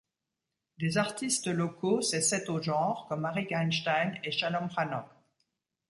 Des artistes locaux s'essaient au genre comme Arik Einstein et Shalom Hanoch.